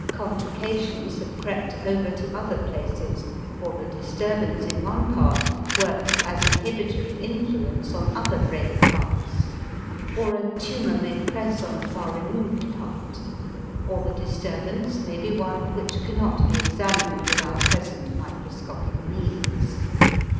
Complications have crept over to other places or the disturbance in one part works as inhibitory influence on other brain parts, or a tumor may press on a far removed part, or the disturbance may be one which cannot be examined with our present microscopic means.